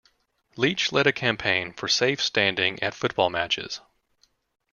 Leech led a campaign for safe standing at football matches.